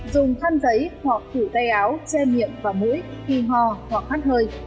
dùng khăn tấy hoặc thử tay áo che miệng và mũi khi hò hoặc hát hơi